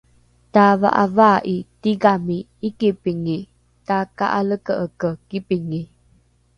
tava’avaa’i tigami ’ikipingi taka’aleke’eke kipingi